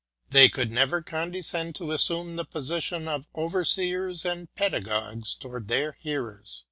They could never condescend to assume the position of overseers and pedagogues towards their hearers.